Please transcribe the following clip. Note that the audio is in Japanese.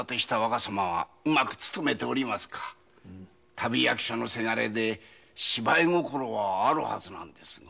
旅役者のセガレで芝居心はあるはずなんですが。